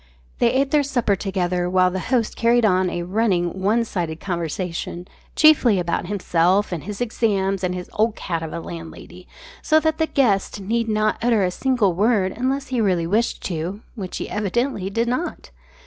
They ate their supper together while the host carried on a running one sided conversation, chiefly about himself and his exams and his "old cat" of a landlady, so that the guest need not utter a single word unless he really wished to which he evidently did not!